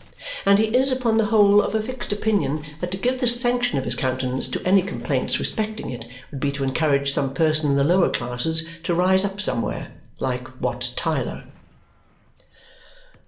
And he is upon the whole of a fixed opinion that to give the sanction of his countenance to any complaints respecting it would be to encourage some person in the lower classes to rise up somewhere like Wat Tyler.